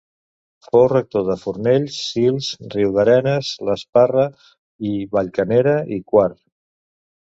Fou rector de Fornells, Sils, Riudarenes, l’Esparra i Vallcanera i Quart.